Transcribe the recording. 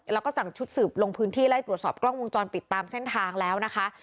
แล้วก็สั่งชุดสืบลงพื้นที่ไล่ตรวจสอบกล้องวงจรปิดตามเส้นทางแล้วนะคะ